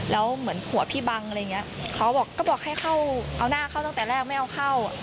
แล้วเหมือนหัวพี่บังอะไรอย่างเงี้ยเขาก็บอกก็บอกให้เข้าเอาหน้าเข้าตั้งแต่แรกไม่เอาเข้า